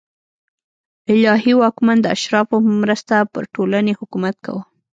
الهي واکمن د اشرافو په مرسته پر ټولنې حکومت کاوه